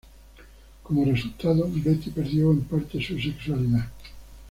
Como resultado, Betty perdió en parte su sexualidad.